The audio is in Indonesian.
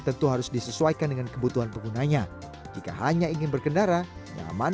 tentu harus disesuaikan dengan kebutuhan penggunanya jika hanya ingin berkendara nyaman